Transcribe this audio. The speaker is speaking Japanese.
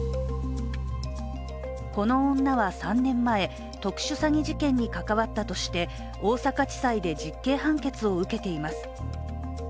この女は３年前、特殊詐欺事件に関わったとして大阪地裁で実刑判決を受けています。